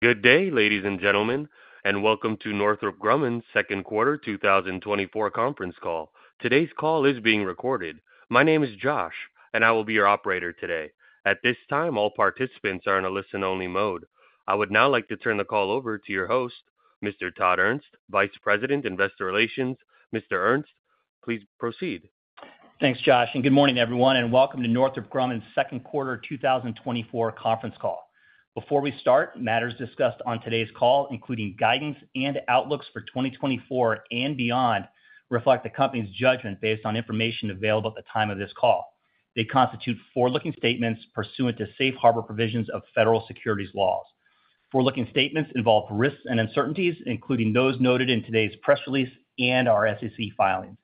Good day, ladies and gentlemen, and welcome to Northrop Grumman's second quarter 2024 conference call. Today's call is being recorded. My name is Josh, and I will be your operator today. At this time, all participants are in a listen-only mode. I would now like to turn the call over to your host, Mr. Todd Ernst, Vice President, Investor Relations. Mr. Ernst, please proceed. Thanks, Josh, and good morning, everyone, and welcome to Northrop Grumman's second quarter 2024 conference call. Before we start, matters discussed on today's call, including guidance and outlooks for 2024 and beyond, reflect the company's judgment based on information available at the time of this call. They constitute forward-looking statements pursuant to Safe Harbor provisions of federal securities laws. Forward-looking statements involve risks and uncertainties, including those noted in today's press release and our SEC filings.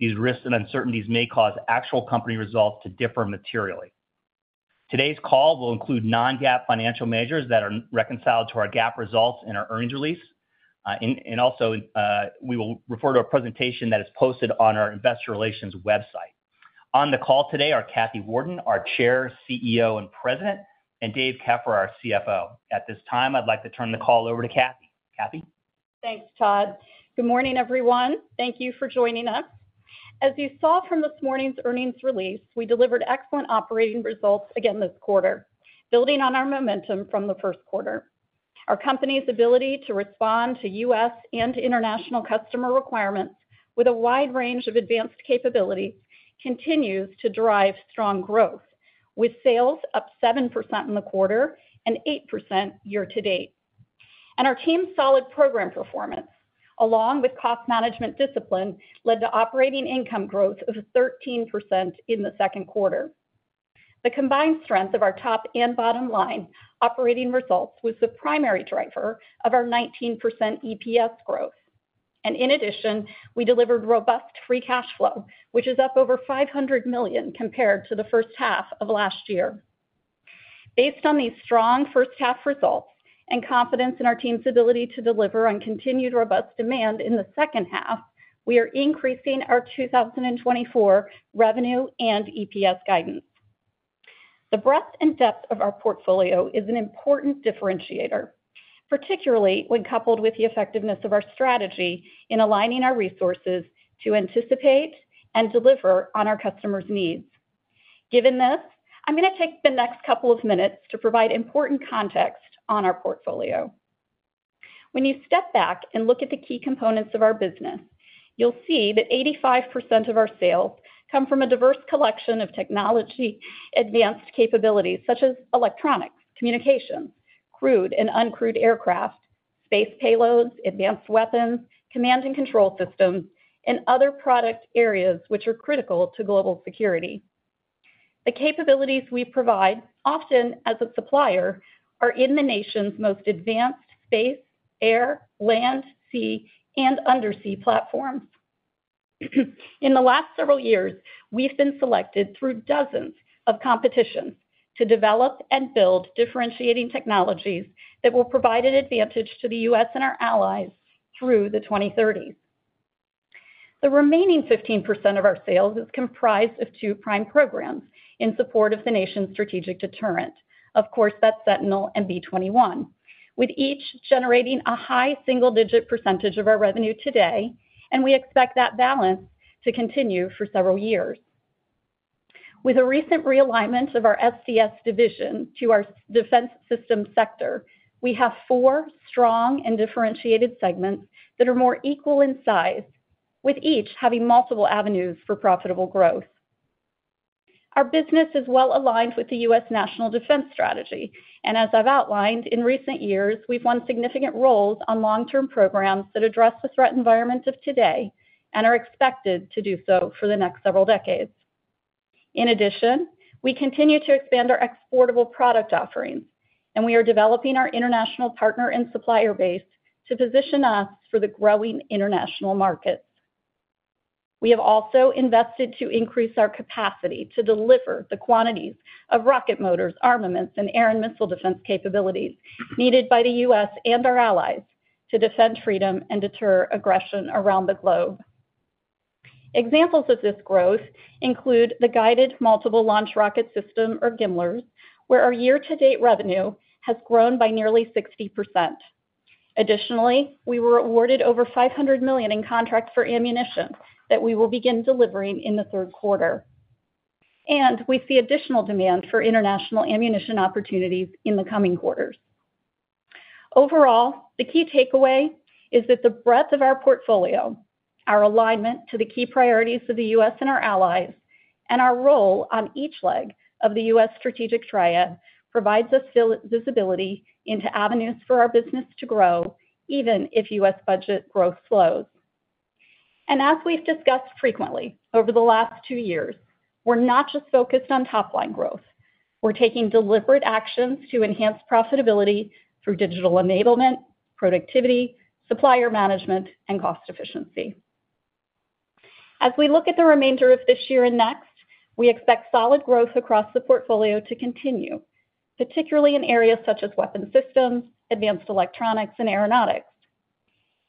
These risks and uncertainties may cause actual company results to differ materially. Today's call will include non-GAAP financial measures that are reconciled to our GAAP results in our earnings release. We will refer to a presentation that is posted on our investor relations website. On the call today are Kathy Warden, our Chair, CEO, and President, and Dave Keffer, our CFO. At this time, I'd like to turn the call over to Kathy. Kathy? Thanks, Todd. Good morning, everyone. Thank you for joining us. As you saw from this morning's earnings release, we delivered excellent operating results again this quarter, building on our momentum from the first quarter. Our company's ability to respond to U.S. and international customer requirements with a wide range of advanced capabilities continues to drive strong growth, with sales up 7% in the quarter and 8% year-to-date. And our team's solid program performance, along with cost management discipline, led to operating income growth of 13% in the second quarter. The combined strength of our top and bottom line operating results was the primary driver of our 19% EPS growth. And in addition, we delivered robust free cash flow, which is up over $500 million compared to the first half of last year. Based on these strong first-half results and confidence in our team's ability to deliver on continued robust demand in the second half, we are increasing our 2024 revenue and EPS guidance. The breadth and depth of our portfolio is an important differentiator, particularly when coupled with the effectiveness of our strategy in aligning our resources to anticipate and deliver on our customers' needs. Given this, I'm gonna take the next couple of minutes to provide important context on our portfolio. When you step back and look at the key components of our business, you'll see that 85% of our sales come from a diverse collection of technology-advanced capabilities, such as electronics, communication, crewed and uncrewed aircraft, space payloads, advanced weapons, command and control systems, and other product areas which are critical to global security. The capabilities we provide, often as a supplier, are in the nation's most advanced space, air, land, sea, and undersea platforms. In the last several years, we've been selected through dozens of competitions to develop and build differentiating technologies that will provide an advantage to the U.S. and our allies through the 2030s. The remaining 15% of our sales is comprised of two prime programs in support of the nation's strategic deterrent. Of course, that's Sentinel and B-21, with each generating a high single-digit percentage of our revenue today, and we expect that balance to continue for several years. With a recent realignment of our SDS division to our defense systems sector, we have four strong and differentiated segments that are more equal in size, with each having multiple avenues for profitable growth. Our business is well-aligned with the U.S. National Defense Strategy, and as I've outlined, in recent years, we've won significant roles on long-term programs that address the threat environment of today and are expected to do so for the next several decades. In addition, we continue to expand our exportable product offerings, and we are developing our international partner and supplier base to position us for the growing international markets. We have also invested to increase our capacity to deliver the quantities of rocket motors, armaments, and air and missile defense capabilities needed by the U.S. and our allies to defend freedom and deter aggression around the globe. Examples of this growth include the Guided Multiple Launch Rocket System, or GMLRS, where our year-to-date revenue has grown by nearly 60%. Additionally, we were awarded over $500 million in contracts for ammunition that we will begin delivering in the third quarter. We see additional demand for international ammunition opportunities in the coming quarters. Overall, the key takeaway is that the breadth of our portfolio, our alignment to the key priorities of the U.S. and our allies, and our role on each leg of the U.S. Strategic Triad provides us full visibility into avenues for our business to grow, even if U.S. budget growth slows. As we've discussed frequently over the last two years, we're not just focused on top-line growth. We're taking deliberate actions to enhance profitability through digital enablement, productivity, supplier management, and cost efficiency. As we look at the remainder of this year and next, we expect solid growth across the portfolio to continue, particularly in areas such as weapon systems, advanced electronics, and aeronautics.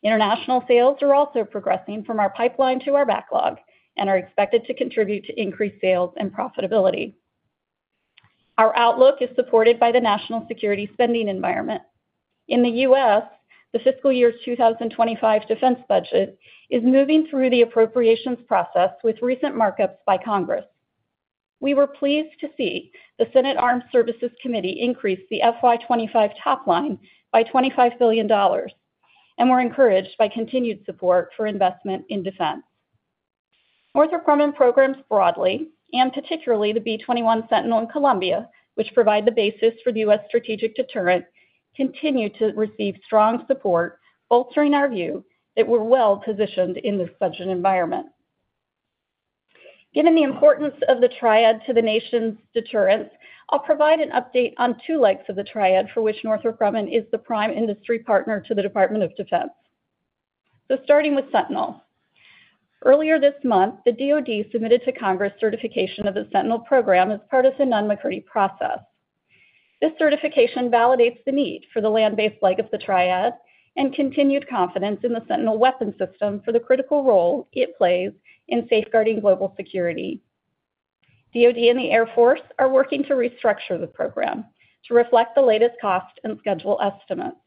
International sales are also progressing from our pipeline to our backlog and are expected to contribute to increased sales and profitability. Our outlook is supported by the national security spending environment. In the U.S., the fiscal year 2025 defense budget is moving through the appropriations process with recent markups by Congress. We were pleased to see the Senate Armed Services Committee increase the FY 2025 top line by $25 billion, and we're encouraged by continued support for investment in defense. Northrop Grumman programs broadly, and particularly the B-21, Sentinel, and Columbia, which provide the basis for the U.S. strategic deterrent, continue to receive strong support, bolstering our view that we're well-positioned in this budget environment. Given the importance of the Triad to the nation's deterrence, I'll provide an update on two legs of the Triad for which Northrop Grumman is the prime industry partner to the Department of Defense. So starting with Sentinel. Earlier this month, the DoD submitted to Congress certification of the Sentinel program as part of the Nunn-McCurdy process. This certification validates the need for the land-based leg of the Triad and continued confidence in the Sentinel weapon system for the critical role it plays in safeguarding global security. DoD and the Air Force are working to restructure the program to reflect the latest cost and schedule estimates.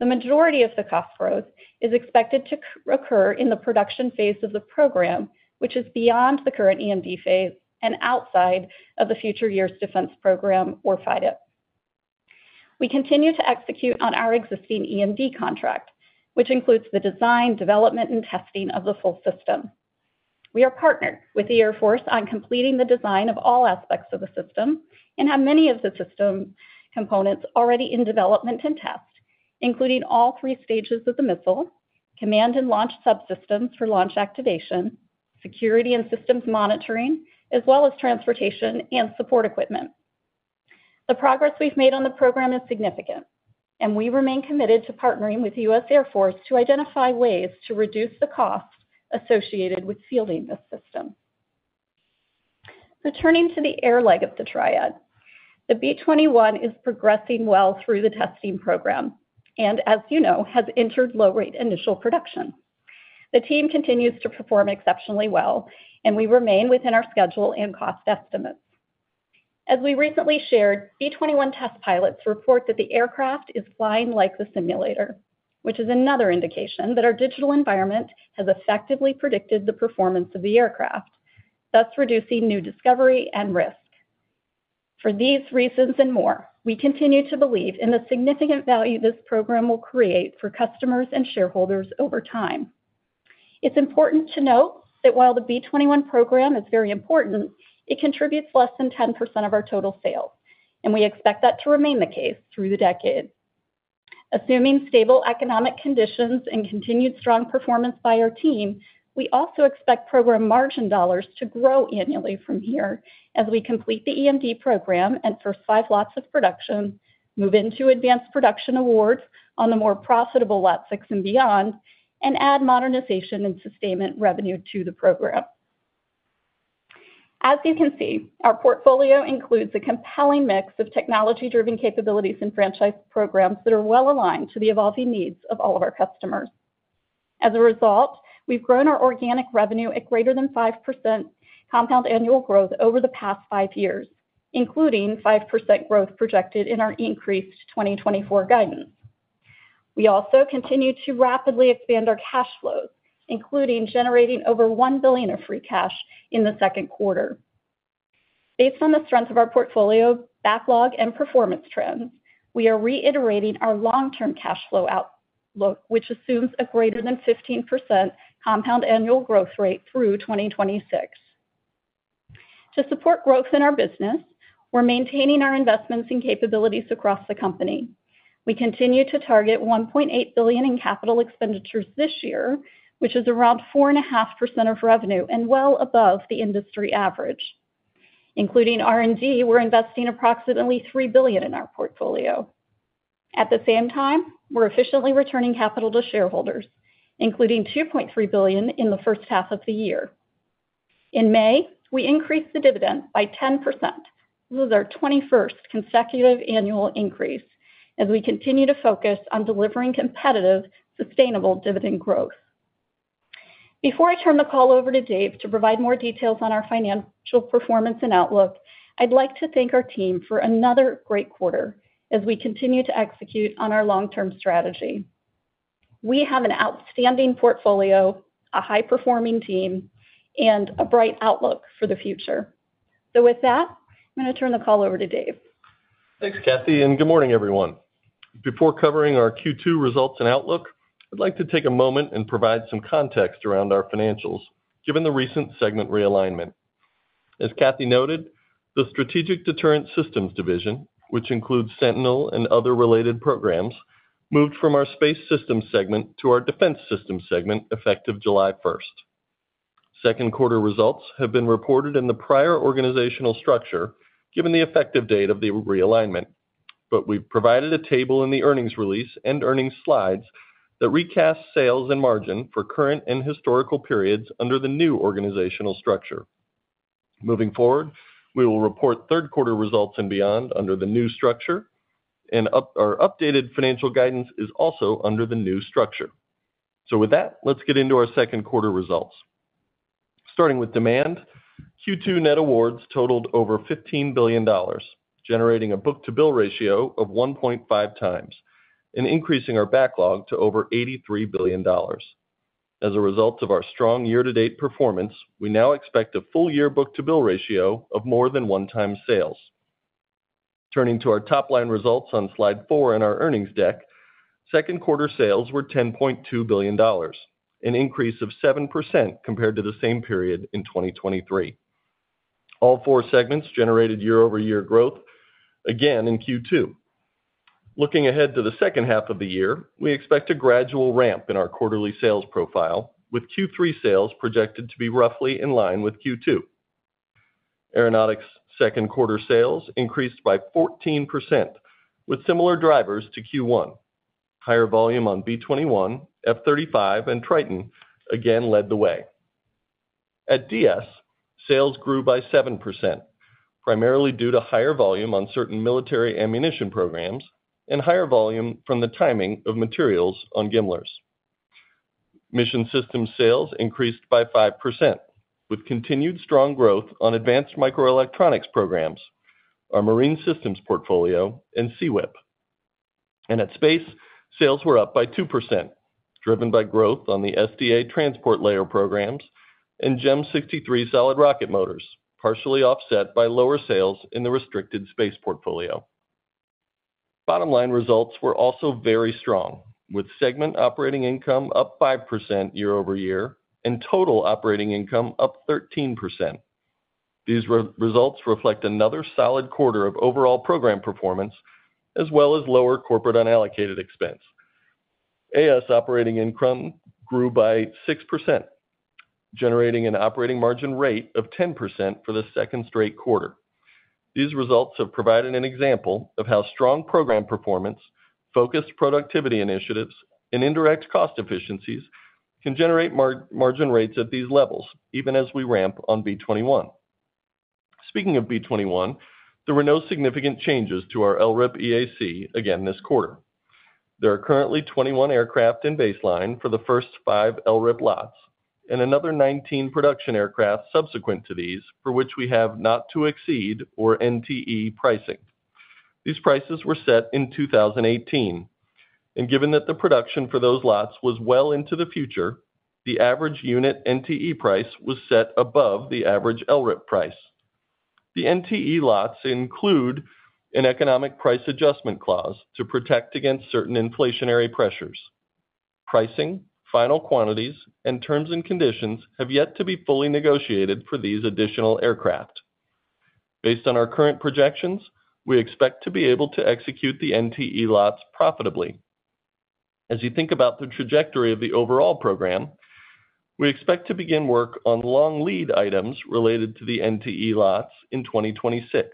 The majority of the cost growth is expected to occur in the production phase of the program, which is beyond the current EMD phase and outside of the Future Years Defense Program, or FYDP. We continue to execute on our existing EMD contract, which includes the design, development, and testing of the full system. We are partnered with the Air Force on completing the design of all aspects of the system and have many of the system components already in development and test, including all three stages of the missile, command and launch subsystems for launch activation, security and systems monitoring, as well as transportation and support equipment. The progress we've made on the program is significant, and we remain committed to partnering with U.S. Air Force to identify ways to reduce the cost associated with fielding this system. So turning to the air leg of the Triad, the B-21 is progressing well through the testing program, and as you know, has entered low-rate initial production. The team continues to perform exceptionally well, and we remain within our schedule and cost estimates. As we recently shared, B-21 test pilots report that the aircraft is flying like the simulator, which is another indication that our digital environment has effectively predicted the performance of the aircraft, thus reducing new discovery and risk. For these reasons and more, we continue to believe in the significant value this program will create for customers and shareholders over time. It's important to note that while the B-21 program is very important, it contributes less than 10% of our total sales, and we expect that to remain the case through the decade. Assuming stable economic conditions and continued strong performance by our team, we also expect program margin dollars to grow annually from here as we complete the EMD program and first five lots of production, move into advanced production awards on the more profitable Lot 6 and beyond, and add modernization and sustainment revenue to the program. As you can see, our portfolio includes a compelling mix of technology-driven capabilities and franchise programs that are well aligned to the evolving needs of all of our customers. As a result, we've grown our organic revenue at greater than 5% compound annual growth over the past 5 years, including 5% growth projected in our increased 2024 guidance. We also continue to rapidly expand our cash flows, including generating over $1 billion of free cash in the second quarter. Based on the strength of our portfolio, backlog, and performance trends, we are reiterating our long-term cash flow outlook, which assumes a greater than 15% compound annual growth rate through 2026. To support growth in our business, we're maintaining our investments and capabilities across the company. We continue to target $1.8 billion in capital expenditures this year, which is around 4.5% of revenue and well above the industry average. Including R&D, we're investing approximately $3 billion in our portfolio. At the same time, we're efficiently returning capital to shareholders, including $2.3 billion in the first half of the year. In May, we increased the dividend by 10%. This is our 21st consecutive annual increase as we continue to focus on delivering competitive, sustainable dividend growth. Before I turn the call over to Dave to provide more details on our financial performance and outlook, I'd like to thank our team for another great quarter as we continue to execute on our long-term strategy. We have an outstanding portfolio, a high-performing team, and a bright outlook for the future. With that, I'm going to turn the call over to Dave. Thanks, Kathy, and good morning, everyone. Before covering our Q2 results and outlook, I'd like to take a moment and provide some context around our financials, given the recent segment realignment. As Kathy noted, the Strategic Deterrent Systems Division, which includes Sentinel and other related programs, moved from our Space Systems segment to our Defense Systems segment, effective July first. Second quarter results have been reported in the prior organizational structure, given the effective date of the realignment, but we've provided a table in the earnings release and earnings slides that recast sales and margin for current and historical periods under the new organizational structure. Moving forward, we will report third-quarter results and beyond under the new structure, and our updated financial guidance is also under the new structure. So with that, let's get into our second quarter results. Starting with demand, Q2 net awards totaled over $15 billion, generating a book-to-bill ratio of 1.5x and increasing our backlog to over $83 billion. As a result of our strong year-to-date performance, we now expect a full-year book-to-bill ratio of more than 1x sales. Turning to our top-line results on slide four in our earnings deck, second-quarter sales were $10.2 billion, an increase of 7% compared to the same period in 2023. All four segments generated year-over-year growth, again in Q2. Looking ahead to the second half of the year, we expect a gradual ramp in our quarterly sales profile, with Q3 sales projected to be roughly in line with Q2. Aeronautics second quarter sales increased by 14%, with similar drivers to Q1. Higher volume on B-21, F-35, and Triton again led the way. At DS, sales grew by 7%, primarily due to higher volume on certain military ammunition programs and higher volume from the timing of materials on GMLRS. Mission systems sales increased by 5%, with continued strong growth on advanced microelectronics programs, our marine systems portfolio, and SEWIP. And at Space, sales were up by 2%, driven by growth on the SDA transport layer programs and GEM 63 solid rocket motors, partially offset by lower sales in the restricted space portfolio. Bottom line results were also very strong, with segment operating income up 5% year-over-year and total operating income up 13%. These results reflect another solid quarter of overall program performance, as well as lower corporate unallocated expense. AS operating income grew by 6%, generating an operating margin rate of 10% for the second straight quarter. These results have provided an example of how strong program performance, focused productivity initiatives, and indirect cost efficiencies can generate margin rates at these levels, even as we ramp on B-21. Speaking of B-21, there were no significant changes to our LRIP EAC again this quarter. There are currently 21 aircraft in baseline for the first five LRIP lots and another 19 production aircraft subsequent to these for which we have not to exceed or NTE pricing. These prices were set in 2018, and given that the production for those lots was well into the future, the average unit NTE price was set above the average LRIP price. The NTE lots include an economic price adjustment clause to protect against certain inflationary pressures. Pricing, final quantities, and terms and conditions have yet to be fully negotiated for these additional aircraft. Based on our current projections, we expect to be able to execute the NTE lots profitably. As you think about the trajectory of the overall program, we expect to begin work on long lead items related to the NTE lots in 2026.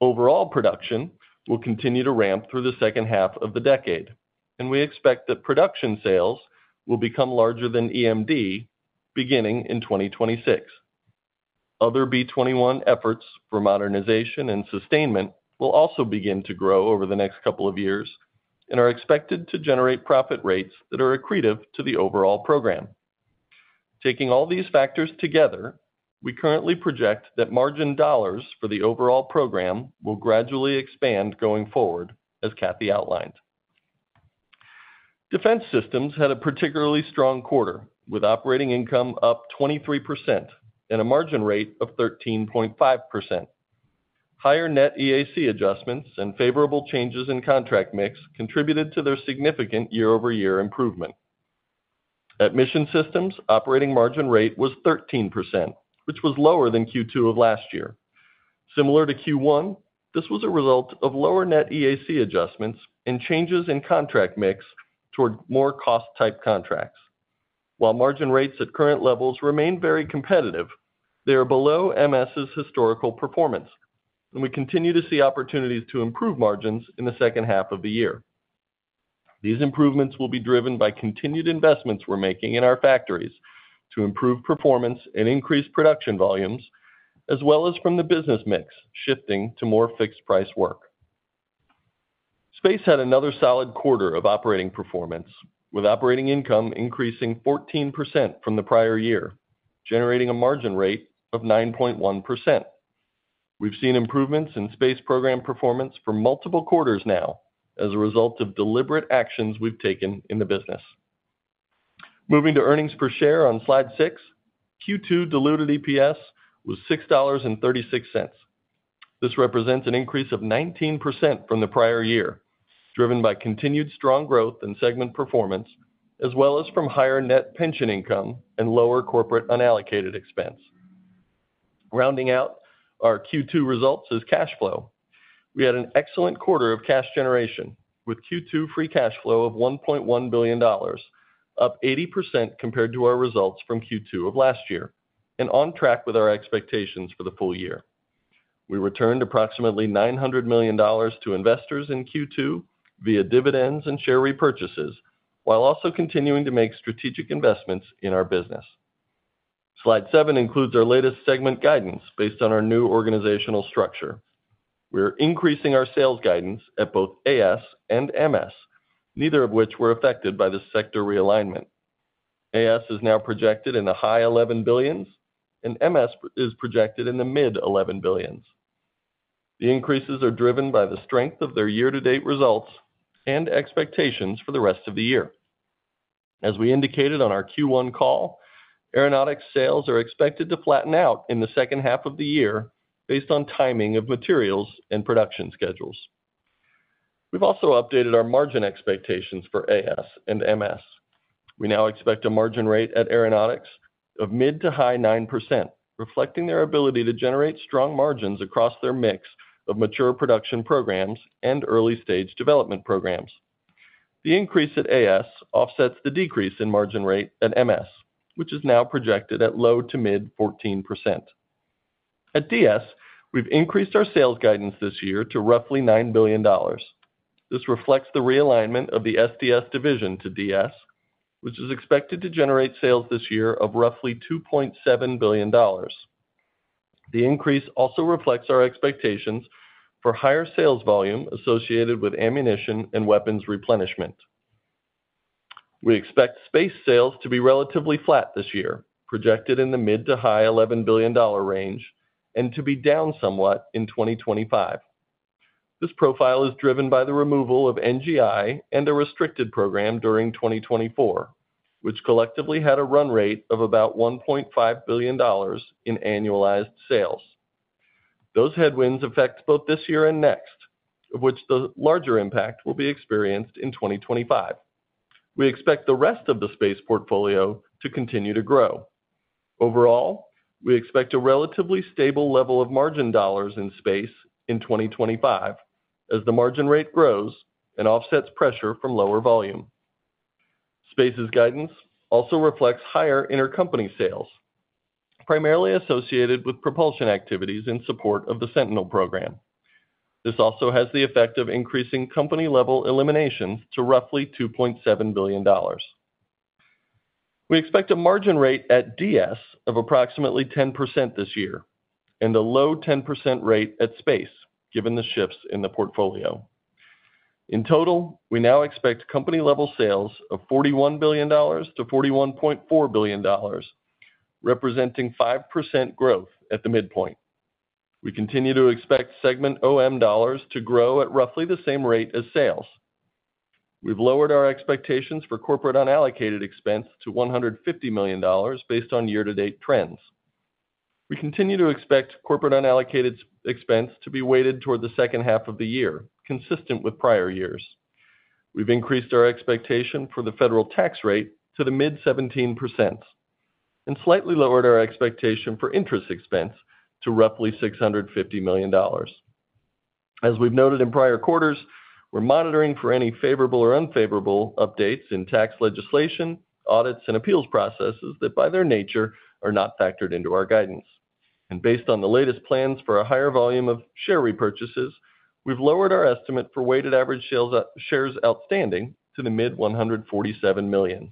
Overall production will continue to ramp through the second half of the decade, and we expect that production sales will become larger than EMD beginning in 2026. Other B-21 efforts for modernization and sustainment will also begin to grow over the next couple of years and are expected to generate profit rates that are accretive to the overall program. Taking all these factors together, we currently project that margin dollars for the overall program will gradually expand going forward, as Kathy outlined. Defense Systems had a particularly strong quarter, with operating income up 23% and a margin rate of 13.5%. Higher net EAC adjustments and favorable changes in contract mix contributed to their significant year-over-year improvement. At Mission Systems, operating margin rate was 13%, which was lower than Q2 of last year. Similar to Q1, this was a result of lower net EAC adjustments and changes in contract mix toward more cost-type contracts. While margin rates at current levels remain very competitive, they are below MS's historical performance, and we continue to see opportunities to improve margins in the second half of the year. These improvements will be driven by continued investments we're making in our factories to improve performance and increase production volumes, as well as from the business mix, shifting to more fixed-price work. Space had another solid quarter of operating performance, with operating income increasing 14% from the prior year, generating a margin rate of 9.1%. We've seen improvements in space program performance for multiple quarters now as a result of deliberate actions we've taken in the business. Moving to earnings per share on slide six, Q2 diluted EPS was $6.36. This represents an increase of 19% from the prior year, driven by continued strong growth in segment performance, as well as from higher net pension income and lower corporate unallocated expense. Rounding out our Q2 results is cash flow. We had an excellent quarter of cash generation, with Q2 free cash flow of $1.1 billion, up 80% compared to our results from Q2 of last year, and on track with our expectations for the full year. We returned approximately $900 million to investors in Q2 via dividends and share repurchases, while also continuing to make strategic investments in our business. Slide seven includes our latest segment guidance based on our new organizational structure. We are increasing our sales guidance at both AS and MS, neither of which were affected by the sector realignment. AS is now projected in the high $11 billion, and MS is projected in the mid-$11 billion. The increases are driven by the strength of their year-to-date results and expectations for the rest of the year. As we indicated on our Q1 call, aeronautics sales are expected to flatten out in the second half of the year based on timing of materials and production schedules. We've also updated our margin expectations for AS and MS. We now expect a margin rate at Aeronautics of mid- to high 9%, reflecting their ability to generate strong margins across their mix of mature production programs and early-stage development programs. The increase at AS offsets the decrease in margin rate at MS, which is now projected at low- to mid-14%. At DS, we've increased our sales guidance this year to roughly $9 billion. This reflects the realignment of the SDS division to DS, which is expected to generate sales this year of roughly $2.7 billion. The increase also reflects our expectations for higher sales volume associated with ammunition and weapons replenishment. We expect space sales to be relatively flat this year, projected in the mid- to high $11 billion range, and to be down somewhat in 2025. This profile is driven by the removal of NGI and a restricted program during 2024, which collectively had a run rate of about $1.5 billion in annualized sales. Those headwinds affect both this year and next, of which the larger impact will be experienced in 2025. We expect the rest of the space portfolio to continue to grow. Overall, we expect a relatively stable level of margin dollars in space in 2025 as the margin rate grows and offsets pressure from lower volume. Space's guidance also reflects higher intercompany sales, primarily associated with propulsion activities in support of the Sentinel program. This also has the effect of increasing company-level eliminations to roughly $2.7 billion. We expect a margin rate at DS of approximately 10% this year and a low 10% rate at space, given the shifts in the portfolio. In total, we now expect company-level sales of $41 billion-$41.4 billion, representing 5% growth at the midpoint. We continue to expect segment OM dollars to grow at roughly the same rate as sales. We've lowered our expectations for corporate unallocated expense to $150 million based on year-to-date trends. We continue to expect corporate unallocated expense to be weighted toward the second half of the year, consistent with prior years. We've increased our expectation for the federal tax rate to the mid-17% and slightly lowered our expectation for interest expense to roughly $650 million. As we've noted in prior quarters, we're monitoring for any favorable or unfavorable updates in tax legislation, audits, and appeals processes that, by their nature, are not factored into our guidance. Based on the latest plans for a higher volume of share repurchases, we've lowered our estimate for weighted average shares outstanding to the mid-147 million.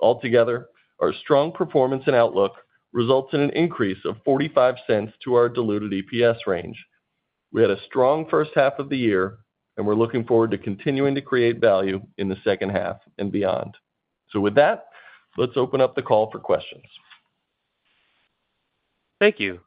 Altogether, our strong performance and outlook results in an increase of $0.45 to our diluted EPS range. We had a strong first half of the year, and we're looking forward to continuing to create value in the second half and beyond. With that, let's open up the call for questions. Thank you.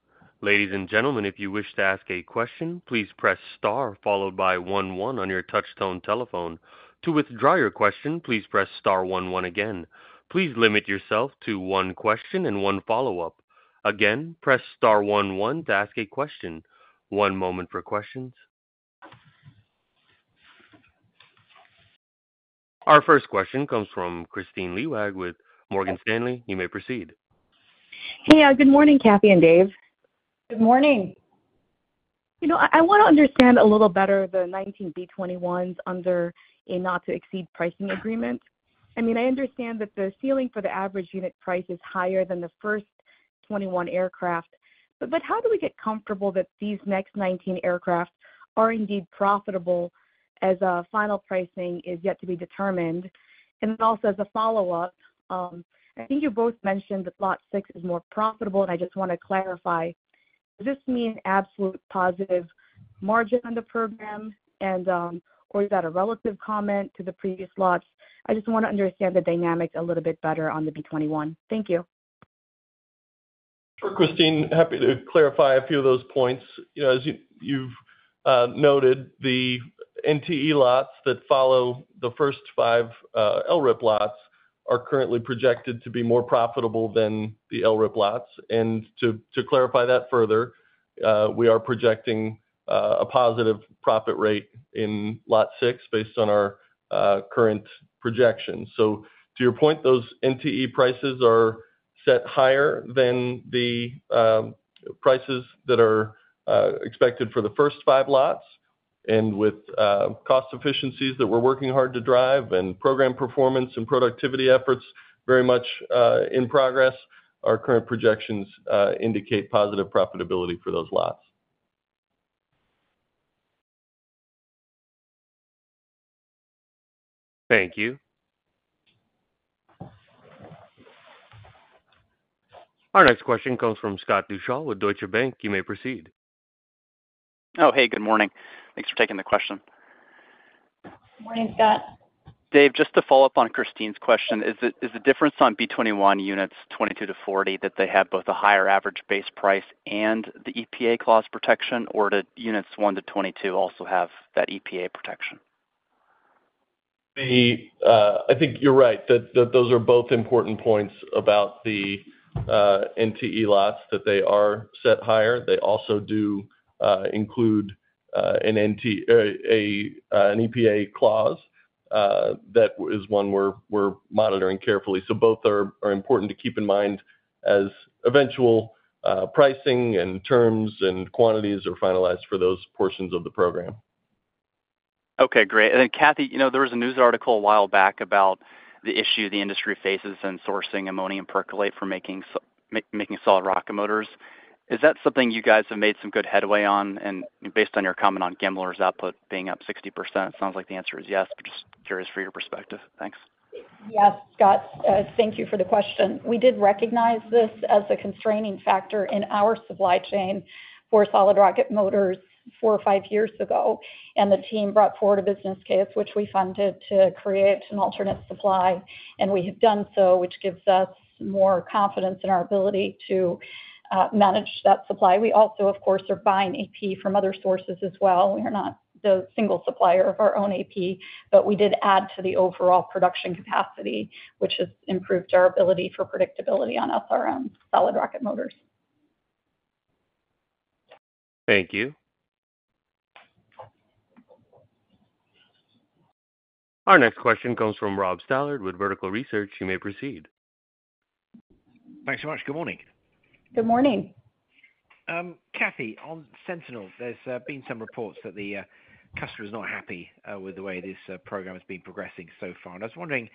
Ladies and gentlemen, if you wish to ask a question, please press star followed by one one on your touchtone telephone. To withdraw your question, please press star one one again. Please limit yourself to one question and one follow-up. Again, press star one one to ask a question. One moment for questions. Our first question comes from Kristine Liwag with Morgan Stanley. You may proceed. Hey, good morning, Kathy and Dave. Good morning. You know, I want to understand a little better the 19 B-21s under a not-to-exceed pricing agreement. I mean, I understand that the ceiling for the average unit price is higher than the first 21 aircraft, but how do we get comfortable that these next 19 aircraft are indeed profitable as final pricing is yet to be determined? And then also, as a follow-up, I think you both mentioned that Lot 6 is more profitable, and I just want to clarify, does this mean absolute positive margin on the program, and or is that a relative comment to the previous lots? I just want to understand the dynamics a little bit better on the B-21. Thank you. Christine, happy to clarify a few of those points. You know, as you've noted, the NTE lots that follow the first 5 LRIP lots are currently projected to be more profitable than the LRIP lots. And to clarify that further, we are projecting a positive profit rate in lot 6 based on our current projections. So to your point, those NTE prices are set higher than the prices that are expected for the first 5 lots and with cost efficiencies that we're working hard to drive, and program performance and productivity efforts very much in progress, our current projections indicate positive profitability for those lots. Thank you. Our next question comes from Scott Deuschle with Deutsche Bank. You may proceed. Oh, hey, good morning. Thanks for taking the question. Morning, Scott. Dave, just to follow up on Christine's question, is the difference on B-21 units 22-40 that they have both a higher average base price and the EPA clause protection, or do units 1-22 also have that EPA protection? I think you're right, that those are both important points about the NTE lots, that they are set higher. They also do include an NTE—an EPA clause. That is one we're monitoring carefully. So both are important to keep in mind as eventual pricing and terms and quantities are finalized for those portions of the program. Okay, great. And then, Kathy, you know, there was a news article a while back about the issue the industry faces in sourcing ammonium perchlorate for making solid rocket motors. Is that something you guys have made some good headway on? And based on your comment on GEM 63's output being up 60%, it sounds like the answer is yes, but just curious for your perspective. Thanks. Yes, Scott, thank you for the question. We did recognize this as a constraining factor in our supply chain for solid rocket motors four or five years ago, and the team brought forward a business case, which we funded to create an alternate supply, and we have done so, which gives us more confidence in our ability to manage that supply. We also, of course, are buying AP from other sources as well. We are not the single supplier of our own AP, but we did add to the overall production capacity, which has improved our ability for predictability on SRM, solid rocket motors. Thank you. Our next question comes from Rob Stallard with Vertical Research. You may proceed. Thanks so much. Good morning. Good morning. Kathy, on Sentinel, there's been some reports that the customer is not happy with the way this program has been progressing so far. And I was wondering,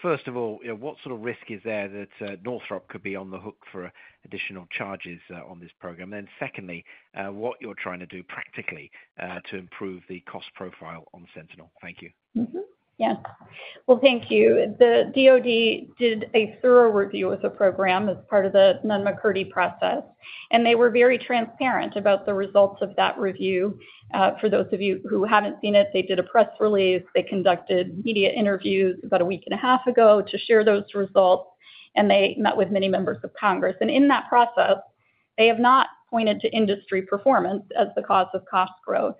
first of all, you know, what sort of risk is there that Northrop could be on the hook for additional charges on this program? Then secondly, what you're trying to do practically to improve the cost profile on Sentinel? Thank you. Yeah. Well, thank you. The DoD did a thorough review of the program as part of the Nunn-McCurdy process, and they were very transparent about the results of that review. For those of you who haven't seen it, they did a press release. They conducted media interviews about a week and a half ago to share those results, and they met with many members of Congress. And in that process, they have not pointed to industry performance as the cause of cost growth.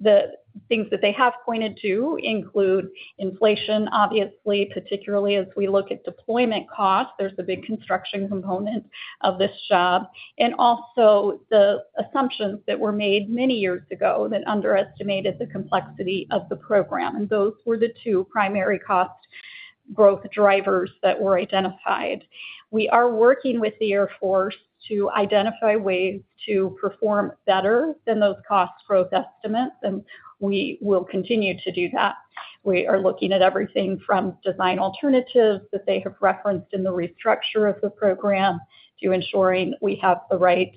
The things that they have pointed to include inflation, obviously, particularly as we look at deployment costs, there's a big construction component of this job, and also the assumptions that were made many years ago that underestimated the complexity of the program. And those were the two primary cost growth drivers that were identified. We are working with the Air Force to identify ways to perform better than those cost growth estimates, and we will continue to do that. We are looking at everything from design alternatives that they have referenced in the restructure of the program, to ensuring we have the right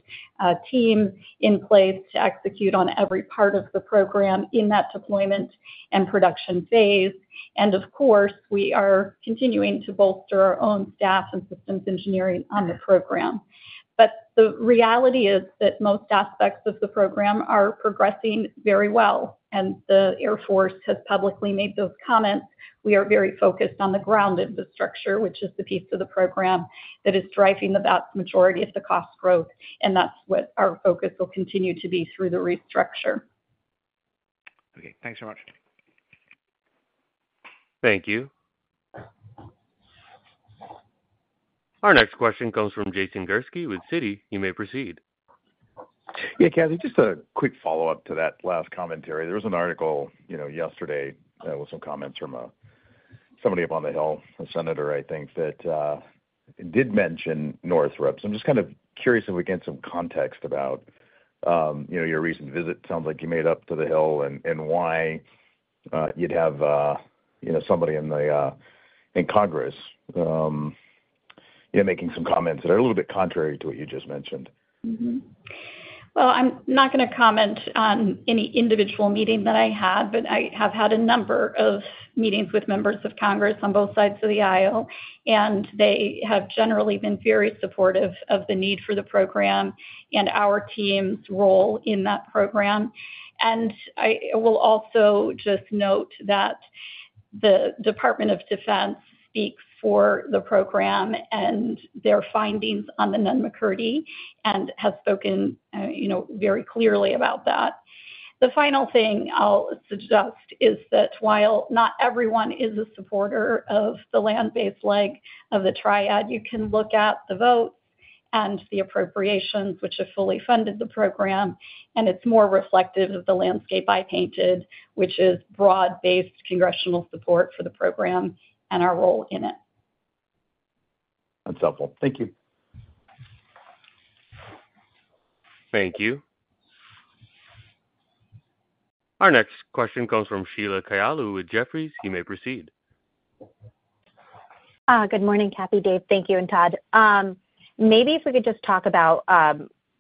team in place to execute on every part of the program in that deployment and production phase. Of course, we are continuing to bolster our own staff and systems engineering on the program. The reality is that most aspects of the program are progressing very well, and the Air Force has publicly made those comments. We are very focused on the ground infrastructure, which is the piece of the program that is driving the vast majority of the cost growth, and that's what our focus will continue to be through the restructure. Okay, thanks so much. Thank you. Our next question comes from Jason Gursky with Citi. You may proceed. Yeah, Kathy, just a quick follow-up to that last commentary. There was an article, you know, yesterday, with some comments from somebody up on the Hill, a senator, I think, that did mention Northrop. So I'm just kind of curious if we get some context about, you know, your recent visit. Sounds like you made up to the Hill and why you'd have somebody in the in Congress, you know, making some comments that are a little bit contrary to what you just mentioned. Mm-hmm. Well, I'm not going to comment on any individual meeting that I had, but I have had a number of meetings with members of Congress on both sides of the aisle, and they have generally been very supportive of the need for the program and our team's role in that program. And I will also just note that the Department of Defense speaks for the program and their findings on the Nunn-McCurdy, and has spoken, you know, very clearly about that. The final thing I'll suggest is that while not everyone is a supporter of the land-based leg of the Triad, you can look at the votes and the appropriations, which have fully funded the program, and it's more reflective of the landscape I painted, which is broad-based congressional support for the program and our role in it. That's helpful. Thank you. Thank you. Our next question comes from Sheila Kahyaoglu with Jefferies. You may proceed. Good morning, Kathy, Dave, thank you, and Todd. Maybe if we could just talk about,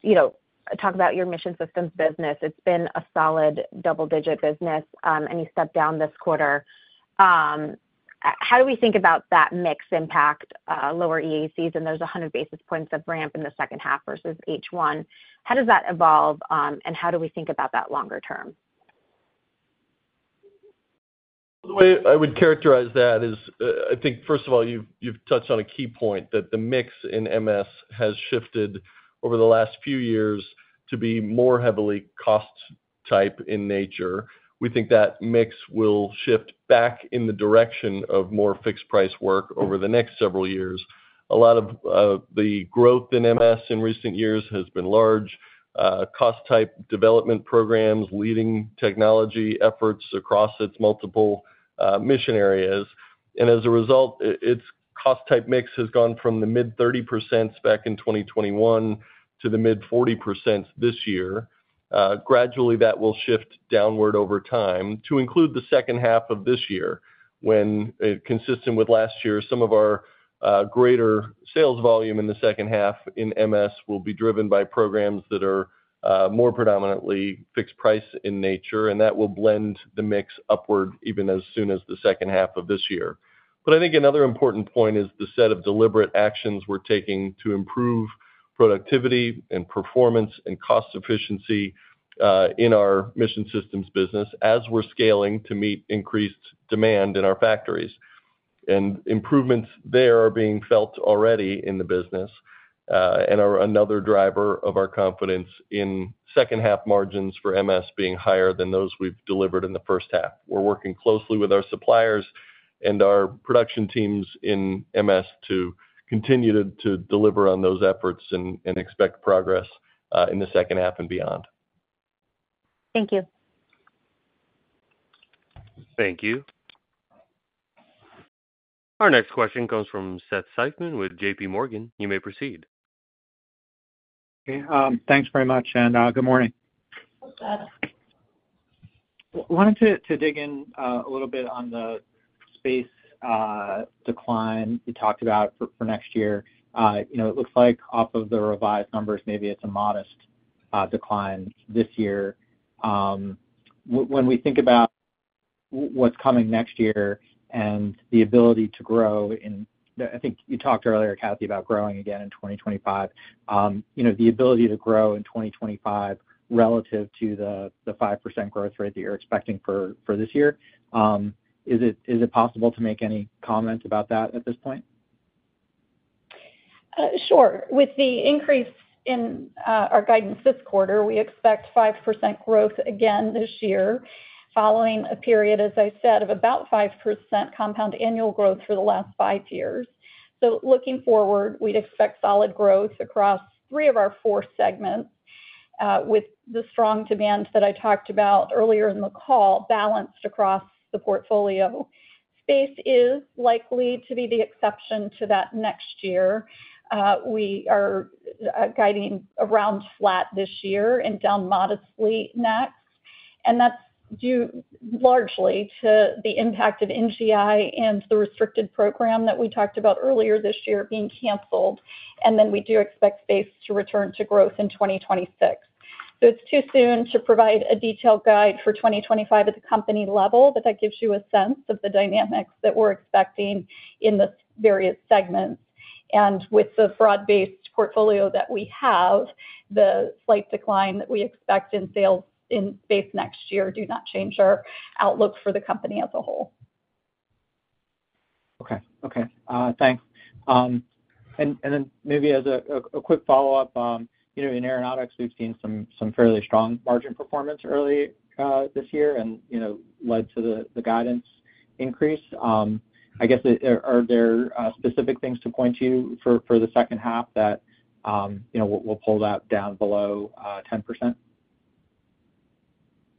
you know, talk about your mission systems business. It's been a solid double-digit business, and you stepped down this quarter. How do we think about that mix impact, lower EACs, and there's 100 basis points of ramp in the second half versus H1. How does that evolve, and how do we think about that longer term? The way I would characterize that is, I think, first of all, you've touched on a key point that the mix in MS has shifted over the last few years to be more heavily cost type in nature. We think that mix will shift back in the direction of more fixed price work over the next several years. A lot of the growth in MS in recent years has been large cost-type development programs, leading technology efforts across its multiple mission areas. And as a result, its cost type mix has gone from the mid-30% back in 2021 to the mid-40% this year. Gradually, that will shift downward over time to include the second half of this year, when, consistent with last year, some of our greater sales volume in the second half in MS will be driven by programs that are more predominantly fixed price in nature, and that will blend the mix upward even as soon as the second half of this year. But I think another important point is the set of deliberate actions we're taking to improve productivity and performance and cost efficiency in our Mission Systems business as we're scaling to meet increased demand in our factories. And improvements there are being felt already in the business, and are another driver of our confidence in second-half margins for MS being higher than those we've delivered in the first half. We're working closely with our suppliers and our production teams in MS to continue to deliver on those efforts and expect progress in the second half and beyond. Thank you. Thank you. Our next question comes from Seth Seifman with J.P. Morgan. You may proceed. Hey, thanks very much, and, good morning. Go ahead, Seth. Wanted to dig in a little bit on the space decline you talked about for next year. You know, it looks like off of the revised numbers, maybe it's a modest decline this year. When we think about what's coming next year and the ability to grow in... I think you talked earlier, Kathy, about growing again in 2025. You know, the ability to grow in 2025 relative to the five percent growth rate that you're expecting for this year, is it possible to make any comment about that at this point? Sure. With the increase in our guidance this quarter, we expect 5% growth again this year, following a period, as I said, of about 5% compound annual growth for the last 5 years. So looking forward, we'd expect solid growth across three of our four segments, with the strong demand that I talked about earlier in the call, balanced across the portfolio. Space is likely to be the exception to that next year. We are guiding around flat this year and down modestly next, and that's due largely to the impact of NGI and the restricted program that we talked about earlier this year being canceled, and then we do expect space to return to growth in 2026. So it's too soon to provide a detailed guide for 2025 at the company level, but that gives you a sense of the dynamics that we're expecting in the various segments. And with the broad-based portfolio that we have, the slight decline that we expect in sales in space next year do not change our outlook for the company as a whole. Okay, thanks. And then maybe as a quick follow-up, you know, in aeronautics, we've seen some fairly strong margin performance early this year and, you know, led to the guidance increase. I guess, are there specific things to point to for the second half that, you know, will pull that down below 10%?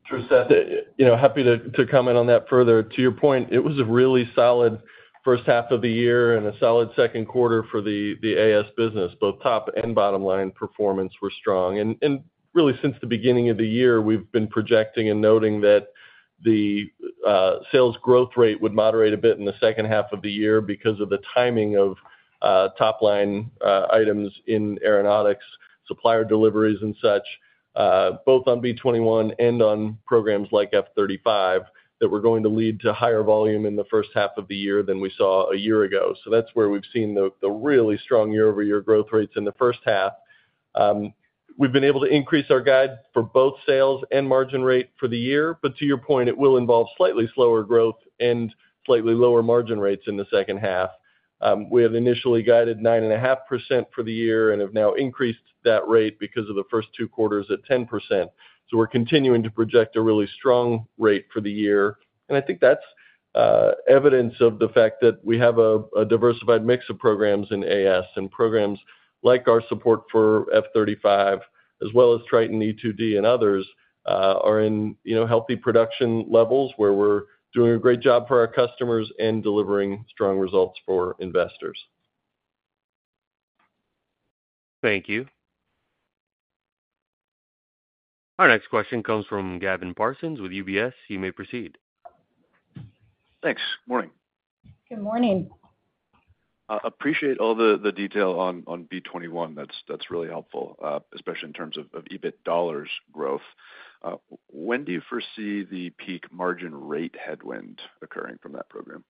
Sure, Seth. You know, happy to comment on that further. To your point, it was a really solid first half of the year and a solid second quarter for the AS business. Both top and bottom line performance were strong. And really, since the beginning of the year, we've been projecting and noting that the sales growth rate would moderate a bit in the second half of the year because of the timing of top line items in aeronautics, supplier deliveries and such, both on B-21 and on programs like F-35, that were going to lead to higher volume in the first half of the year than we saw a year ago. So that's where we've seen the really strong year-over-year growth rates in the first half. We've been able to increase our guide for both sales and margin rate for the year, but to your point, it will involve slightly slower growth and slightly lower margin rates in the second half. We have initially guided 9.5% for the year and have now increased that rate because of the first two quarters at 10%. So we're continuing to project a really strong rate for the year, and I think that's evidence of the fact that we have a diversified mix of programs in AS, and programs like our support for F-35 as well as Triton, E-2D and others are in, you know, healthy production levels, where we're doing a great job for our customers and delivering strong results for investors. Thank you. Our next question comes from Gavin Parsons with UBS. You may proceed. Thanks. Morning. Good morning. Appreciate all the detail on B-21. That's really helpful, especially in terms of EBIT dollars growth. When do you foresee the peak margin rate headwind occurring from that program?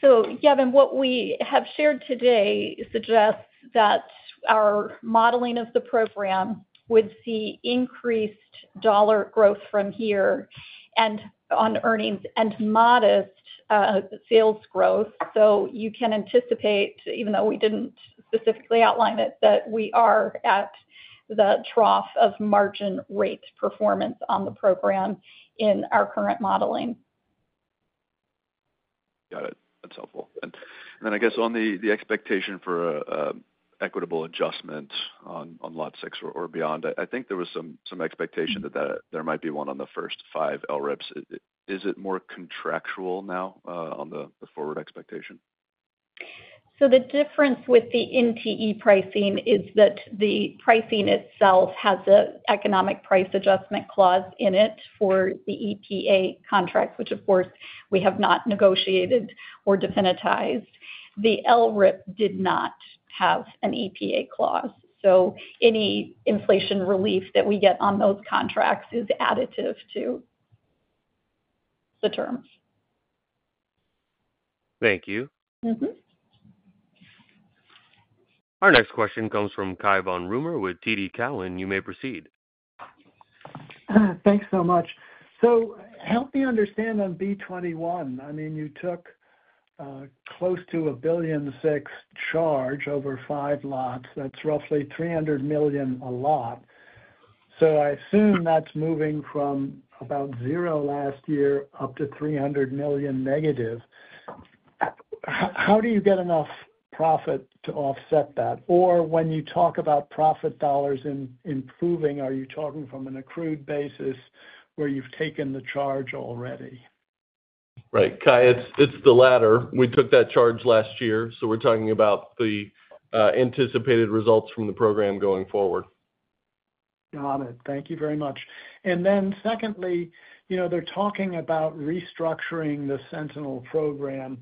So, Gavin, what we have shared today suggests that our modeling of the program would see increased dollar growth from here, and on earnings and modest sales growth. So you can anticipate, even though we didn't specifically outline it, that we are at the trough of margin rate performance on the program in our current modeling. Got it. That's helpful. And then, I guess, on the expectation for equitable adjustment on Lot 6 or beyond, I think there was some expectation that there might be one on the first five LRIPS. Is it more contractual now on the forward expectation? So the difference with the NTE pricing is that the pricing itself has an economic price adjustment clause in it for the EPA contract, which, of course, we have not negotiated or definitized. The LRIP did not have an EPA clause, so any inflation relief that we get on those contracts is additive to the terms. Thank you. Thank you Our next question comes from Cai von Rumohr with TD Cowen. You may proceed. Thanks so much. So help me understand on B-21. I mean, you took close to $1.6 billion charge over five lots. That's roughly $300 million a lot. So I assume that's moving from about zero last year up to -$300 million. How do you get enough profit to offset that? Or when you talk about profit dollars improving, are you talking from an accrued basis, where you've taken the charge already? Right, Kai, it's the latter. We took that charge last year, so we're talking about the anticipated results from the program going forward. Got it. Thank you very much. And then secondly, you know, they're talking about restructuring the Sentinel program.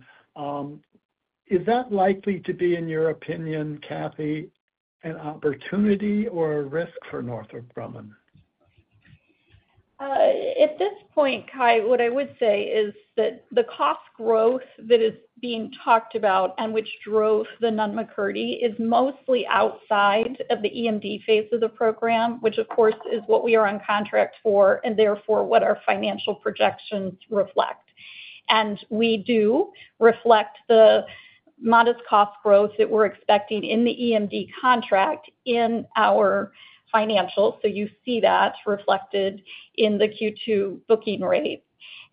Is that likely to be, in your opinion, Kathy, an opportunity or a risk for Northrop Grumman? At this point, Cai, what I would say is that the cost growth that is being talked about and which drove the Nunn-McCurdy, is mostly outside of the EMD phase of the program, which, of course, is what we are on contract for, and therefore, what our financial projections reflect. And we do reflect the modest cost growth that we're expecting in the EMD contract in our financials. So you see that reflected in the Q2 booking rate.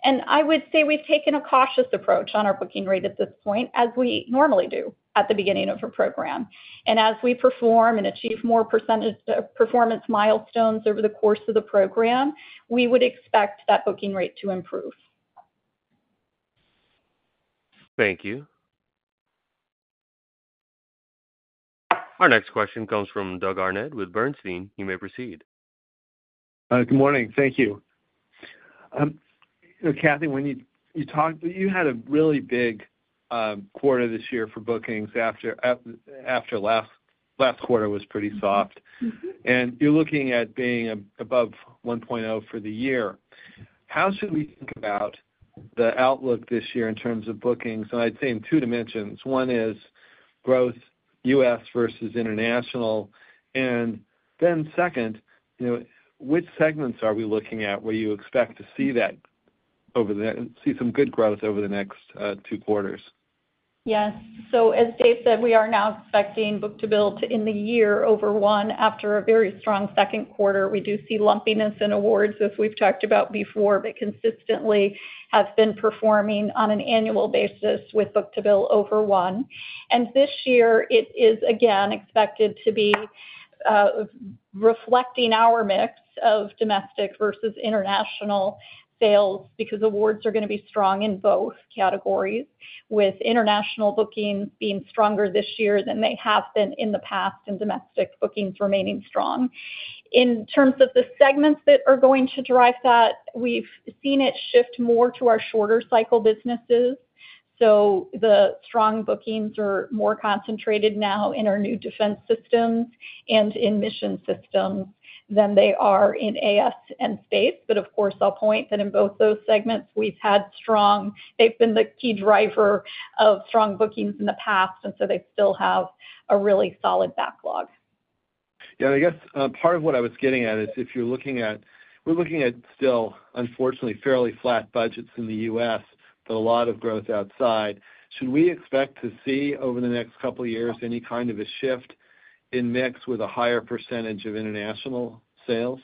And I would say we've taken a cautious approach on our booking rate at this point, as we normally do at the beginning of a program. And as we perform and achieve more percentage performance milestones over the course of the program, we would expect that booking rate to improve. Thank you. Our next question comes from Doug Harned with Bernstein. You may proceed. Good morning. Thank you. You know, Kathy, when you talked, you had a really big quarter this year for bookings after last quarter was pretty soft. Yeah. You're looking at being above 1.0 for the year. How should we think about the outlook this year in terms of bookings? I'd say in two dimensions. One is growth, U.S. versus international, and then second, you know, which segments are we looking at, where you expect to see some good growth over the next 2 quarters? Yes. So as Dave said, we are now expecting book-to-bill to be in the year over one, after a very strong second quarter. We do see lumpiness in awards, as we've talked about before, but consistently have been performing on an annual basis with book-to-bill over one. And this year it is, again, expected to be, reflecting our mix of domestic versus international sales, because awards are gonna be strong in both categories, with international bookings being stronger this year than they have been in the past, and domestic bookings remaining strong. In terms of the segments that are going to drive that, we've seen it shift more to our shorter cycle businesses. So the strong bookings are more concentrated now in our new defense systems and in mission systems than they are in AS and space. But of course, I'll point out that in both those segments, we've had strong, they've been the key driver of strong bookings in the past, and so they still have a really solid backlog. Yeah, I guess, part of what I was getting at is, we're looking at still, unfortunately, fairly flat budgets in the U.S., but a lot of growth outside. Should we expect to see over the next couple of years any kind of a shift in mix with a higher percentage of international sales?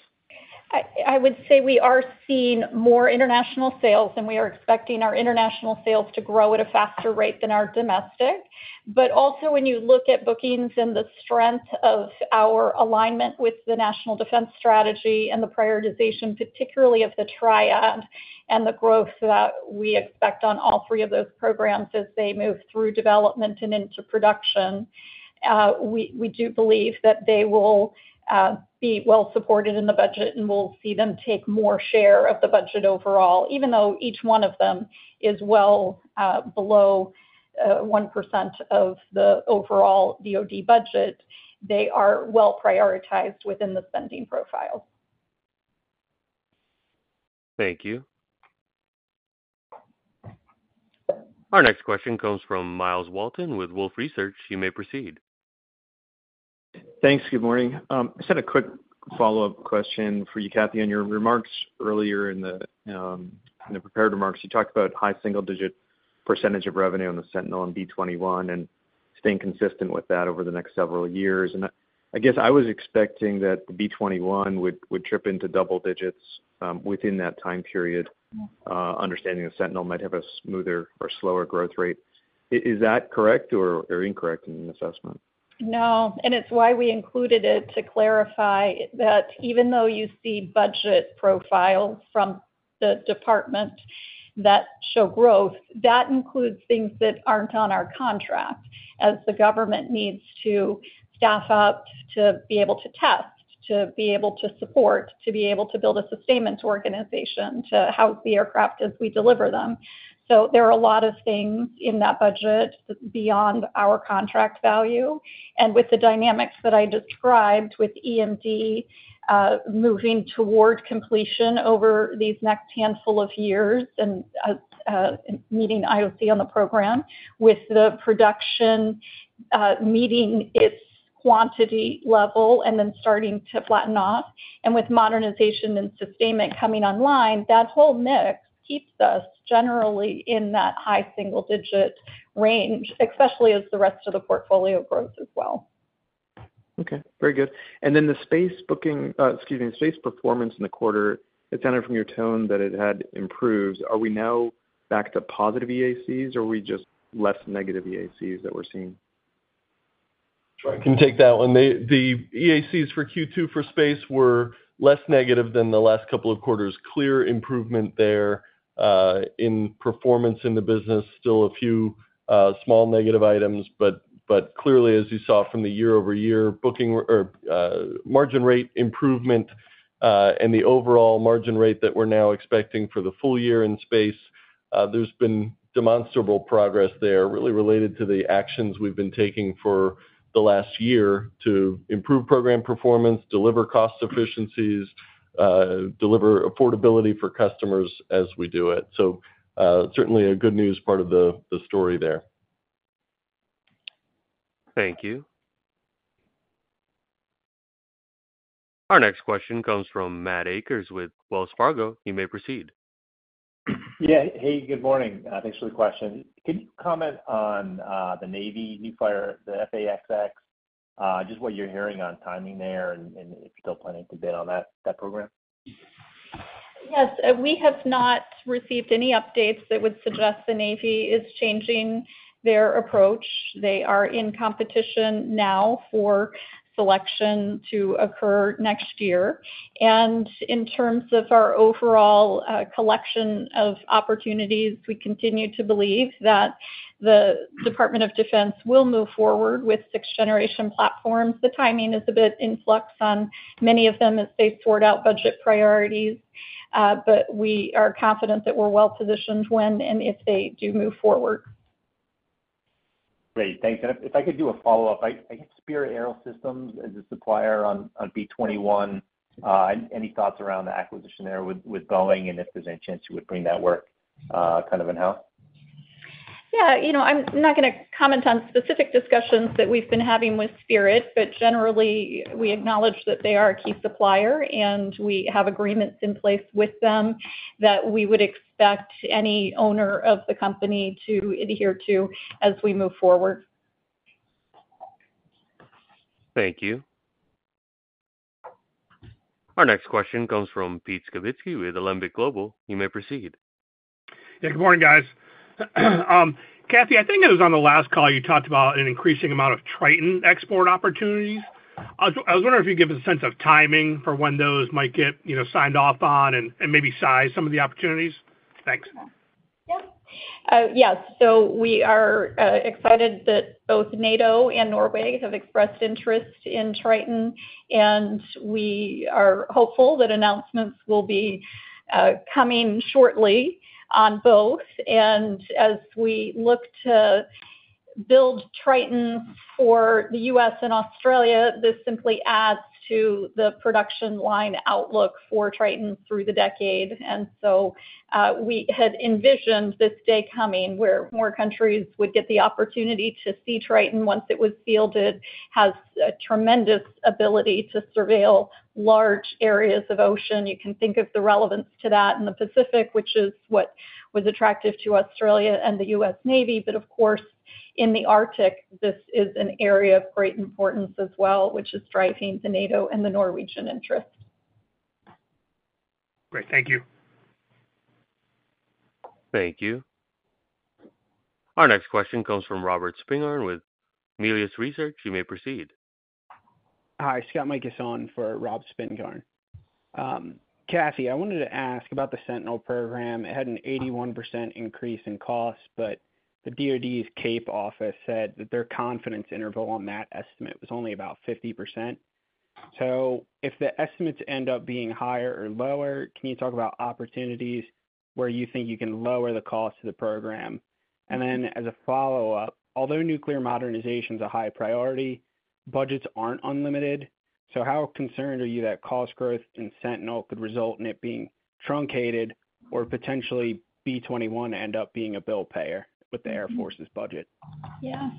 I would say we are seeing more international sales, and we are expecting our international sales to grow at a faster rate than our domestic. But also, when you look at bookings and the strength of our alignment with the National Defense Strategy and the prioritization, particularly of the Triad and the growth that we expect on all three of those programs as they move through development and into production, we do believe that they will be well supported in the budget, and we'll see them take more share of the budget overall. Even though each one of them is well below 1% of the overall DoD budget, they are well prioritized within the spending profile. Thank you. Our next question comes from Myles Walton with Wolfe Research. You may proceed. Thanks. Good morning. I just had a quick follow-up question for you, Kathy, on your remarks earlier in the prepared remarks. You talked about high single-digit percentage of revenue on the Sentinel and B-21 and staying consistent with that over the next several years. And I guess I was expecting that the B-21 would trip into double digits % within that time period, understanding the Sentinel might have a smoother or slower growth rate. Is that correct or incorrect in the assessment? No, and it's why we included it, to clarify that even though you see budget profile from the department that show growth, that includes things that aren't on our contract, as the government needs to staff up, to be able to test, to be able to support, to be able to build a sustainment organization, to house the aircraft as we deliver them. So there are a lot of things in that budget beyond our contract value, and with the dynamics that I described with EMD moving toward completion over these next handful of years and meeting IOC on the program, with the production meeting its quantity level and then starting to flatten off, and with modernization and sustainment coming online, that whole mix keeps us generally in that high single-digit range, especially as the rest of the portfolio grows as well. Okay, very good. And then the space bookings, excuse me, the space performance in the quarter, it sounded from your tone that it had improved. Are we now back to positive EACs, or are we just less negative EACs that we're seeing? Sure, I can take that one. The EACs for Q2 for space were less negative than the last couple of quarters. Clear improvement there in performance in the business. Still a few small negative items, but clearly, as you saw from the year-over-year booking or margin rate improvement, and the overall margin rate that we're now expecting for the full year in space, there's been demonstrable progress there, really related to the actions we've been taking for the last year to improve program performance, deliver cost efficiencies, deliver affordability for customers as we do it. So, certainly a good news part of the story there. Thank you. Our next question comes from Matt Akers with Wells Fargo. You may proceed. Yeah. Hey, good morning. Thanks for the question. Can you comment on the Navy's new fighter, the F/A-XX, just what you're hearing on timing there and, and if you're still planning to bid on that, that program? Yes, we have not received any updates that would suggest the Navy is changing their approach. They are in competition now for selection to occur next year. In terms of our overall collection of opportunities, we continue to believe that the Department of Defense will move forward with 6th-generation platforms. The timing is a bit in flux on many of them as they sort out budget priorities, but we are confident that we're well positioned when and if they do move forward. Great. Thanks. And if I could do a follow-up, I think Spirit AeroSystems is a supplier on B-21. Any thoughts around the acquisition there with Boeing, and if there's any chance you would bring that work kind of in-house? Yeah, you know, I'm not gonna comment on specific discussions that we've been having with Spirit, but generally, we acknowledge that they are a key supplier, and we have agreements in place with them that we would expect any owner of the company to adhere to as we move forward. Thank you. Our next question comes from Peter Skibitski with Alembic Global Advisors. You may proceed. Yeah, good morning, guys. Kathy, I think it was on the last call, you talked about an increasing amount of Triton export opportunities. I was wondering if you could give us a sense of timing for when those might get, you know, signed off on and maybe size some of the opportunities. Thanks. Yeah. Yes. So we are excited that both NATO and Norway have expressed interest in Triton, and we are hopeful that announcements will be coming shortly on both. And as we look to build Triton for the U.S. and Australia, this simply adds to the production line outlook for Triton through the decade. And so we had envisioned this day coming, where more countries would get the opportunity to see Triton once it was fielded, has a tremendous ability to surveil large areas of ocean. You can think of the relevance to that in the Pacific, which is what was attractive to Australia and the U.S. Navy. But of course, in the Arctic, this is an area of great importance as well, which is driving the NATO and the Norwegian interest. Great. Thank you. Thank you. Our next question comes from Robert Spingarn with Melius Research. You may proceed. Hi, Scott Mikus is on for Rob Spingarn. Kathy, I wanted to ask about the Sentinel program. It had an 81% increase in costs, but the DOD's CAPE Office said that their confidence interval on that estimate was only about 50%. So if the estimates end up being higher or lower, can you talk about opportunities where you think you can lower the cost of the program? And then as a follow-up, although nuclear modernization is a high priority, budgets aren't unlimited. So how concerned are you that cost growth in Sentinel could result in it being truncated or potentially B-21 end up being a bill payer with the Air Force's budget? Yeah.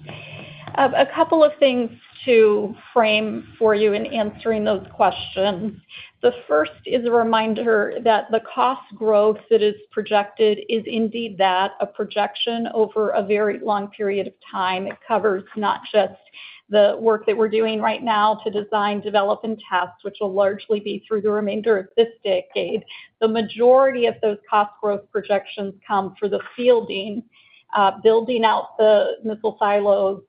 A couple of things to frame for you in answering those questions. The first is a reminder that the cost growth that is projected is indeed that, a projection over a very long period of time. It covers not just the work that we're doing right now to design, develop, and test, which will largely be through the remainder of this decade. The majority of those cost growth projections come for the fielding, building out the missile silos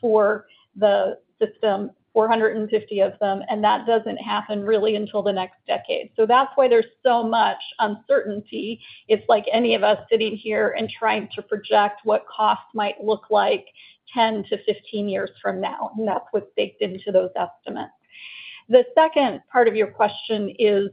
for the system, 450 of them, and that doesn't happen really until the next decade. So that's why there's so much uncertainty. It's like any of us sitting here and trying to project what costs might look like 10-15 years from now, and that's what's baked into those estimates. The second part of your question is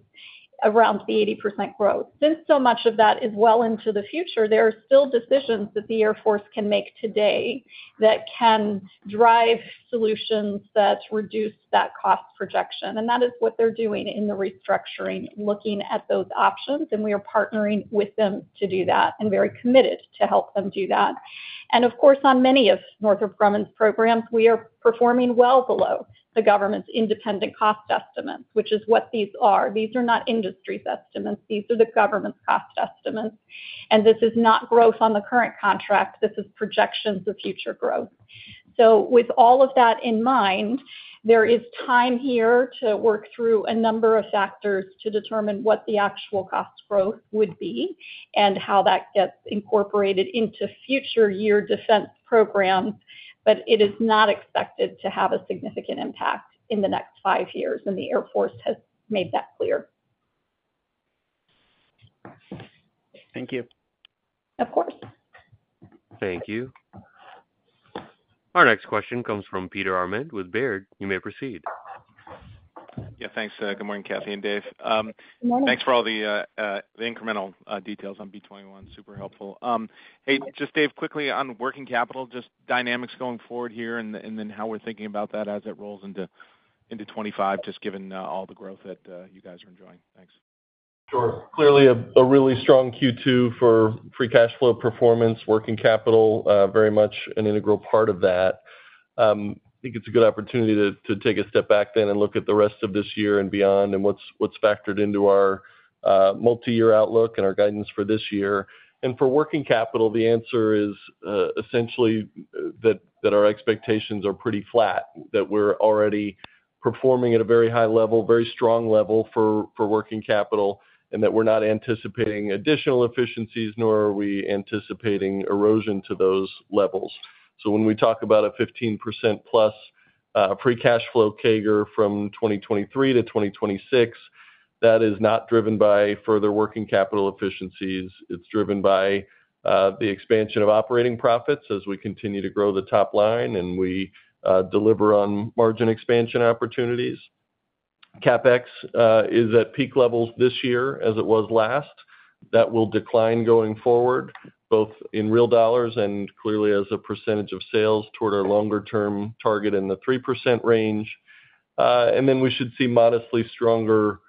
around the 80% growth. Since so much of that is well into the future, there are still decisions that the Air Force can make today that can drive solutions that reduce that cost projection, and that is what they're doing in the restructuring, looking at those options, and we are partnering with them to do that, and very committed to help them do that. And of course, on many of Northrop Grumman's programs, we are performing well below the government's independent cost estimates, which is what these are. These are not industry's estimates, these are the government's cost estimates. And this is not growth on the current contract, this is projections of future growth. With all of that in mind, there is time here to work through a number of factors to determine what the actual cost growth would be and how that gets incorporated into future year defense programs, but it is not expected to have a significant impact in the next five years, and the Air Force has made that clear. Thank you. Of course. Thank you. Our next question comes from Peter Arment with Baird. You may proceed. Yeah, thanks. Good morning, Kathy and Dave. Good morning. Thanks for all the incremental details on B-21. Super helpful. Hey, just Dave, quickly on working capital, just dynamics going forward here, and then how we're thinking about that as it rolls into 2025, just given all the growth that you guys are enjoying. Thanks. Sure. Clearly, a really strong Q2 for free cash flow performance, working capital, very much an integral part of that. I think it's a good opportunity to take a step back then and look at the rest of this year and beyond and what's factored into our multi-year outlook and our guidance for this year. And for working capital, the answer is essentially that our expectations are pretty flat, that we're already performing at a very high level, very strong level for working capital, and that we're not anticipating additional efficiencies, nor are we anticipating erosion to those levels. So when we talk about a 15%+ free cash flow CAGR from 2023 to 2026, that is not driven by further working capital efficiencies. It's driven by the expansion of operating profits as we continue to grow the top line and we deliver on margin expansion opportunities. CapEx is at peak levels this year, as it was last. That will decline going forward, both in real dollars and clearly as a percentage of sales toward our longer-term target in the 3% range. And then we should see modestly stronger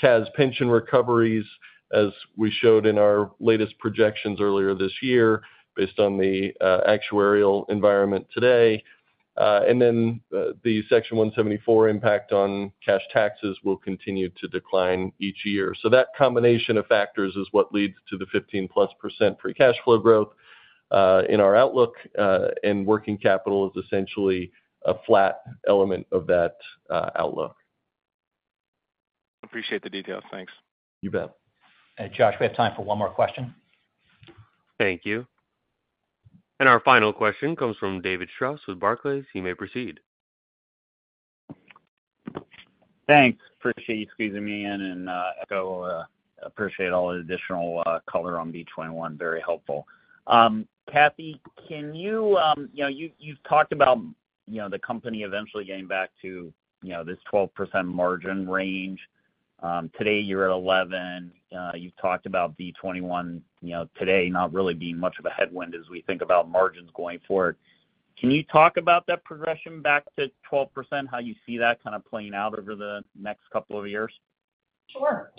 CAS pension recoveries, as we showed in our latest projections earlier this year, based on the actuarial environment today. And then the Section 174 impact on cash taxes will continue to decline each year. So that combination of factors is what leads to the 15%+ free cash flow growth in our outlook, and working capital is essentially a flat element of that outlook. Appreciate the details. Thanks. You bet. Hey, Josh, we have time for one more question. Thank you. Our final question comes from David Strauss with Barclays. You may proceed. Thanks. Appreciate you squeezing me in, and, appreciate all the additional, color on B-21. Very helpful. Kathy, can you, you know, you, you've talked about, you know, the company eventually getting back to, you know, this 12% margin range. Today you're at 11%. You've talked about B-21, today not really being much of a headwind as we think about margins going forward. Can you talk about that progression back to 12%, how you see that kind of playing out over the next couple of years? Sure.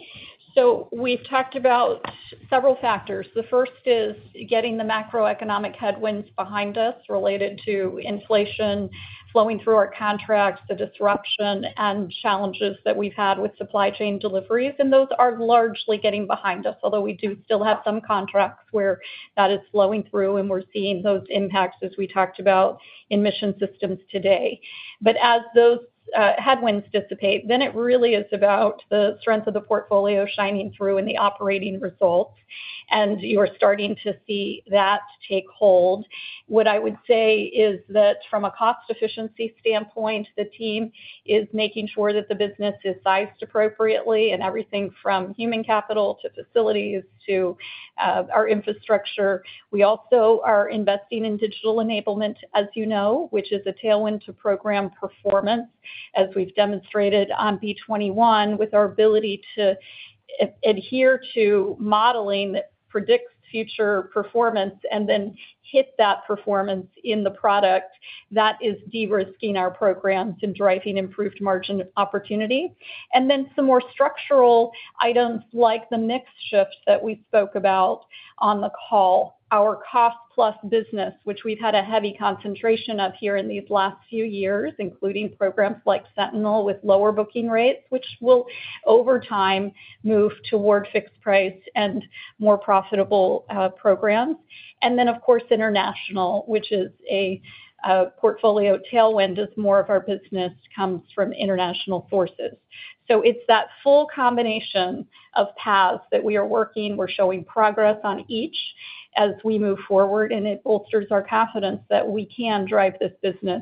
So we've talked about several factors. The first is getting the macroeconomic headwinds behind us related to inflation flowing through our contracts, the disruption and challenges that we've had with supply chain deliveries, and those are largely getting behind us. Although we do still have some contracts where that is flowing through, and we're seeing those impacts, as we talked about, in Mission Systems today. But as those headwinds dissipate, then it really is about the strength of the portfolio shining through in the operating results, and you are starting to see that take hold. What I would say is that from a cost efficiency standpoint, the team is making sure that the business is sized appropriately and everything from human capital to facilities to our infrastructure. We also are investing in digital enablement, as you know, which is a tailwind to program performance, as we've demonstrated on B-21, with our ability to adhere to modeling that predicts future performance and then hit that performance in the product. That is de-risking our programs and driving improved margin opportunity. And then some more structural items like the mix shifts that we spoke about on the call. Our cost-plus business, which we've had a heavy concentration of here in these last few years, including programs like Sentinel, with lower booking rates, which will, over time, move toward fixed price and more profitable programs. And then, of course, international, which is a portfolio tailwind, as more of our business comes from international forces. So it's that full combination of paths that we are working. We're showing progress on each as we move forward, and it bolsters our confidence that we can drive this business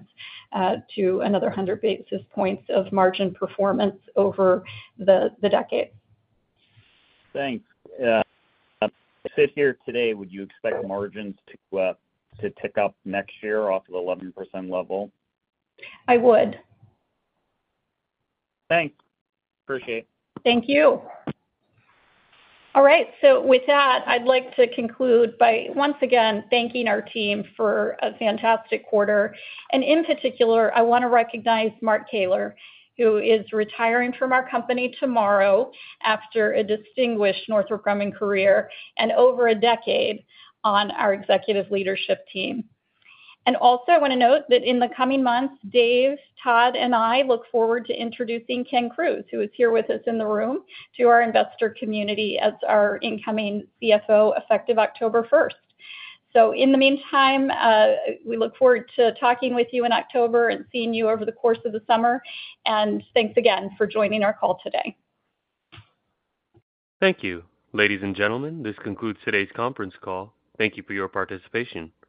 to another 100 basis points of margin performance over the decade. Thanks. As we sit here today, would you expect margins to tick up next year off of the 11% level? I would. Thanks. Appreciate it. Thank you. All right, so with that, I'd like to conclude by once again thanking our team for a fantastic quarter. And in particular, I want to recognize Mark Caylor, who is retiring from our company tomorrow after a distinguished Northrop Grumman career and over a decade on our executive leadership team. And also, I want to note that in the coming months, Dave, Todd, and I look forward to introducing Ken Crews, who is here with us in the room, to our investor community as our incoming CFO, effective October first. So in the meantime, we look forward to talking with you in October and seeing you over the course of the summer. And thanks again for joining our call today. Thank you. Ladies and gentlemen, this concludes today's conference call. Thank you for your participation.